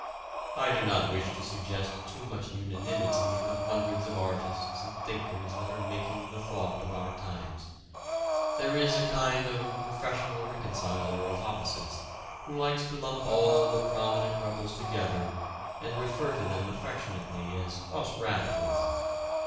I do not wish to suggest too much unanimity in the hundreds of artists and thinkers that are making the thought of our times. There is a kind of "professional reconciler" of opposites who likes to lump all the prominent rebels together and refer to them affectionately as "us radicals."